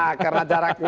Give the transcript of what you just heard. nah karena jaraknya